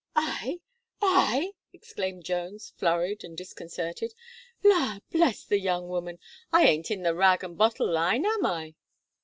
"I I!" exclaimed Jones, flurried and disconcerted. "La, bless the young woman! I aint in the rag and bottle line, am I?"